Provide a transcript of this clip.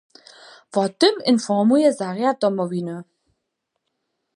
Wo tym informuje zarjad Domowiny.